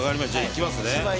いきますね。